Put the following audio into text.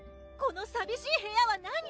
このさびしい部屋は何？